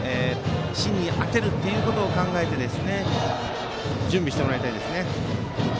芯に当てることを考えて準備してもらいたいです。